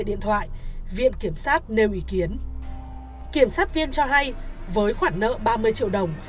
điện thoại viện kiểm sát nêu ý kiến kiểm sát viên cho hay với khoản nợ ba mươi triệu đồng